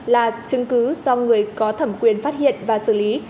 là chứng cứ do người có thẩm quyền phát hiện và xử lý